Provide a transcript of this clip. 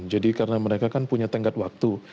jadi karena mereka kan punya tengkat waktu